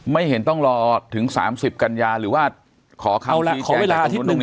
ไม่เห็นต้องรอถึง๓๐กัญญาหรือว่า